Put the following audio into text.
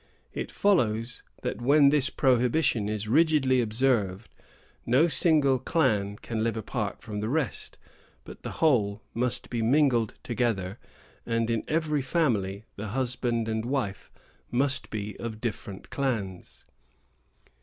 It follows that when this prohibition is rigidly observed, no single clan can live apart from the rest; but the whole must be mingled together, and in every family the husband and wife must be of different clans.